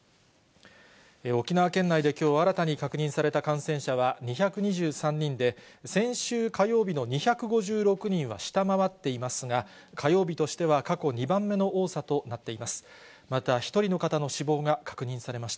沖縄県内できょう、新たに確認された感染者は２２３人で、先週火曜日の２５６人は下回っていますが、火曜日としては過去２番目の多さとなっています。